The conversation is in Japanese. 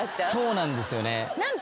そうなんですよね。